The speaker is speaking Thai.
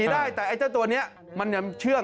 ได้แต่ไอ้เจ้าตัวนี้มันยังเชื่อง